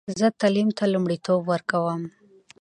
زه تعلیم ته لومړیتوب ورکوم.